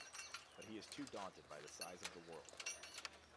But he is too daunted by the size of the world.